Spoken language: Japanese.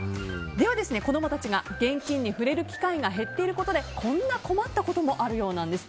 では、子供たちが現金に触れる機会が減っていることでこんな困ったこともあるようです。